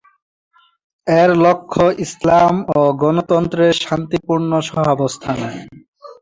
এর লক্ষ্য ইসলাম ও গণতন্ত্রের শান্তিপূর্ণ সহাবস্থান।